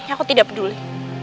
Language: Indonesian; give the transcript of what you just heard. aku tidak peduli